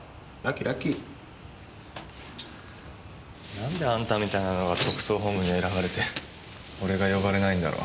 何であんたみたいなのが特捜本部に選ばれて俺が呼ばれないんだろう。